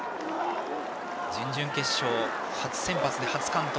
準々決勝、初センバツで初完投。